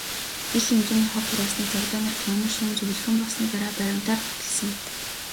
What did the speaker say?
Их хэмжээний хог хураасныг цагдаа нар камер шүүн, зөвлөгөөн болсны дараа баримтаар нотолсон.